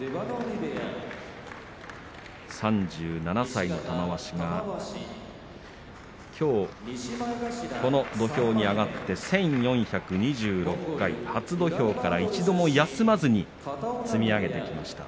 ３７歳の玉鷲はきょう土俵に上がって１４２６回、初土俵から一度も休まずに積み上げてきました。